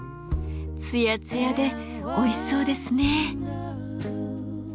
つやつやでおいしそうですね。